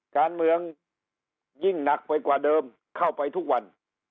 การเมืองยิ่งหนักไปกว่าเดิมเข้าไปทุกวัน